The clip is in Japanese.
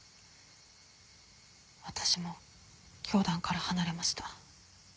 私も教団から離れました。